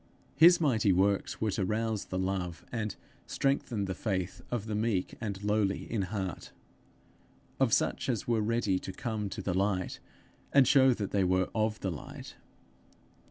His mighty works were to rouse the love, and strengthen the faith of the meek and lowly in heart, of such as were ready to come to the light, and show that they were of the light.